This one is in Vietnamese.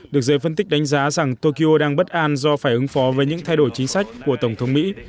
được giới phân tích đánh giá rằng tokyo đang bất an do phải ứng phó với những thay đổi chính sách của tổng thống mỹ